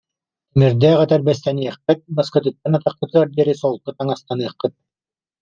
Тимирдээх этэрбэстэниэххит, баскытыттан атаххытыгар диэри солко таҥастаныаххыт